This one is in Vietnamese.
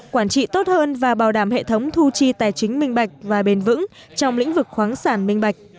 quản trị tốt hơn và bảo đảm hệ thống thu chi tài chính minh bạch và bền vững trong lĩnh vực khoáng sản minh bạch